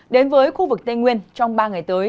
đến với khu vực tây nguyên trong ba ngày tới